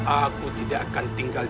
aku tidak akan tinggal